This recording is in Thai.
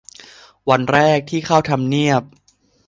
วันแรกที่เข้าทำเนียบ